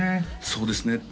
そうですね